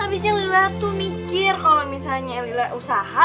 habisnya lila tuh mikir kalo misalnya lila usaha